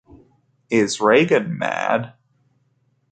Is Reagan Mad?